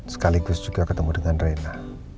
sekaligus juga ketemu dengan reina